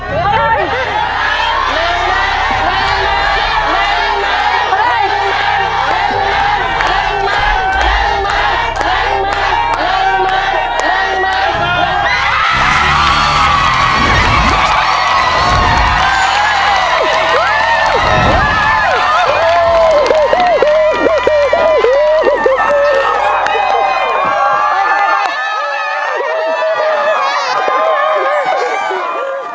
แม่ไม่